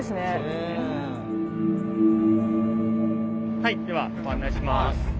はいではご案内します。